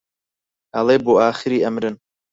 ئەڵێ بۆ ئاخری ئەمرن